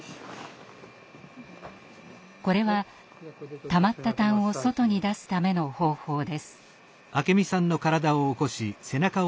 これはたまった痰を外に出すための方法です。